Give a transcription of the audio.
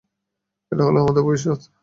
এটা হলো আমাদের ভবিষ্যৎ।